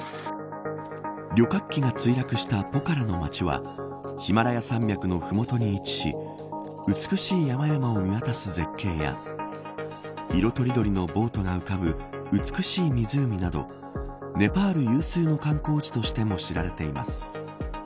旅客機が墜落したポカラの町はヒマラヤ山脈の麓に位置し美しい山々を見渡す絶景や色とりどりのボートが浮かぶ美しい湖などネパール有数の観光地としても知られています。